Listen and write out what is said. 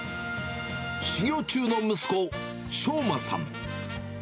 修業中の息子、翔馬さん。